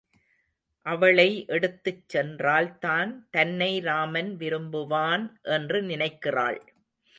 அவளை எடுத்துச் சென்றால்தான் தன்னை ராமன் விரும்புவான் என்று நினைக்கிறாள்.